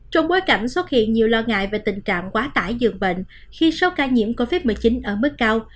trong bối cảnh xuất hiện nhiều lo ngại về tình trạng quá tải dường bệnh khi số ca nhiễm covid một mươi chín ở mức cao